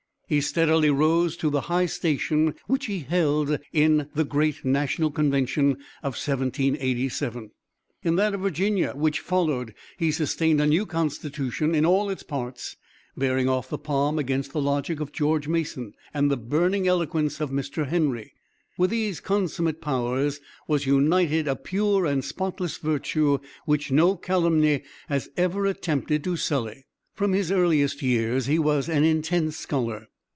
He steadily rose to the high station which he held in the great national convention of 1787. In that of Virginia which followed, he sustained the new constitution in all its parts, bearing off the palm against the logic of George Mason, and the burning eloquence of Mr. Henry. With these consummate powers was united a pure and spotless virtue which no calumny has ever attempted to sully." From his earliest years he was an intense scholar.